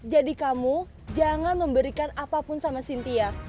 jadi kamu jangan memberikan apapun sama sintia